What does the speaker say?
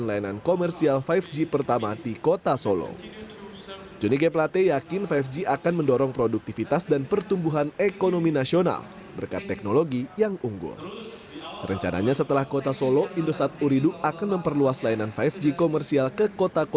jangan lupa untuk berlangganan di instagram dan facebook